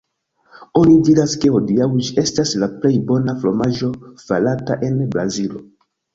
Oni diras ke hodiaŭ ĝi estas la plej bona fromaĝo farata en Brazilo.